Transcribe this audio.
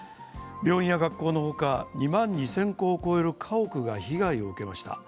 病院や学校のほか２万２０００戸を超える家屋が被害を受けました。